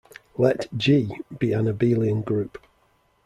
Let "G" be an abelian group.